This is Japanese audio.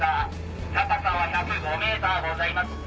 高さは１０５ｍございます。